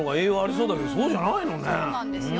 そうなんですよ。